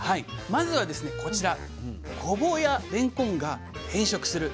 まずはですねこちらごぼうやれんこんが変色する。